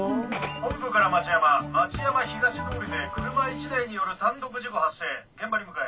本部から町山町山東通りで車１台による単独事故発生現場に向かえ。